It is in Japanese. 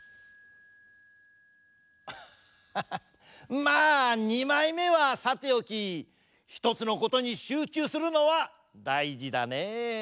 アッハハまあにまいめはさておきひとつのことにしゅうちゅうするのはだいじだねえ。